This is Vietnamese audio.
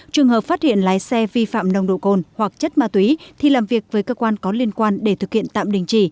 trường hợp phát hiện lái xe vi phạm nồng độ cồn hoặc chất ma túy thì làm việc với cơ quan có liên quan để thực hiện tạm đình chỉ